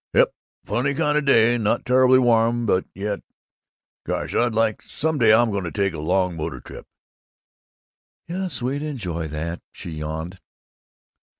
Yep, funny kind of a day; not terribly warm but yet Gosh, I'd like Some day I'm going to take a long motor trip." "Yes, we'd enjoy that," she yawned.